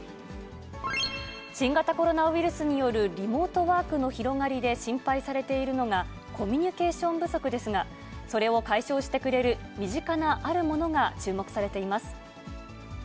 新型コロナウイルスによるリモートワークの広がりで心配されているのがコミュニケーション不足ですが、それを解消してくれる身近なあるものが注目されています。